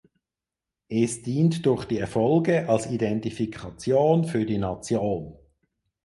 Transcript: Es dient durch die Erfolge als Identifikation für die Nation.